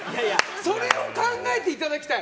それを考えていただきたい！